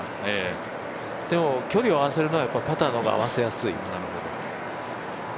でも、距離を合わせるのはパターの方が合わせやすい。